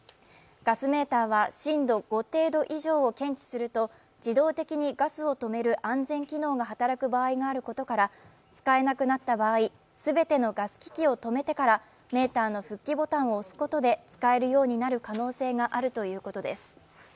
ガスメーターは震度５程度以上を検知すると、自動的にガスを止める安全機能が働く場合があることから、使えなくなった場合、全てのガス機器を止めてからメーターの復帰ボタンを押すことで使えるようになる可能性があるということです。